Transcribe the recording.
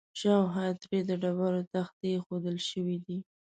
شاوخوا ترې د ډبرو تختې ایښودل شوي دي.